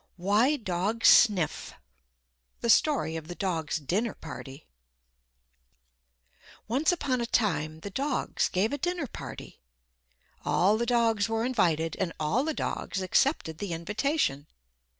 WHY DOGS SNIFF The Story of the Dogs' Dinner Party Once upon a time the dogs gave a dinner party. All the dogs were invited and all the dogs accepted the invitation.